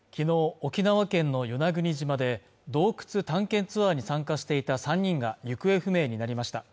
沖縄県の与那国島で洞窟探検ツアーに参加していた３人が行方不明になりました